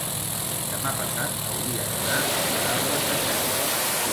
demà passat hauria d'anar a Vilalba Sasserra.